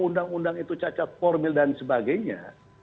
undang undang itu cacat formil dan sebagainya